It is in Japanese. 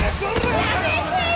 やめてよ！